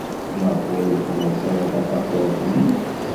Maɣef ur ixelleṣ ara tafatuṛt-nni?